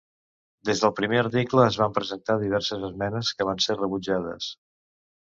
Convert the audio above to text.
Des del primer article es van presentar diverses esmenes, que van ser rebutjades.